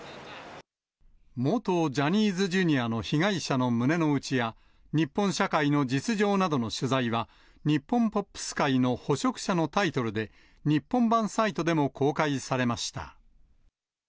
元ジャニーズＪｒ．の被害者の胸のうちや、日本社会の実情などの取材は、日本ポップス界の捕食者のタイトルで、日本版サイトでも公開されました。